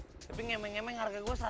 tapi ngemeng ngemeng harga gue